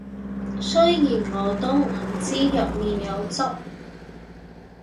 雖然我都唔知入面有汁